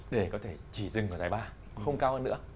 để có thể chỉ dừng ở giải ba không cao hơn nữa